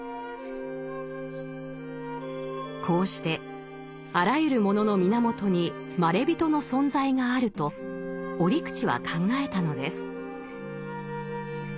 こうしてあらゆるものの源にまれびとの存在があると折口は考えたのです。